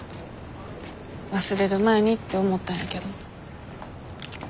忘れる前にって思ったんやけど。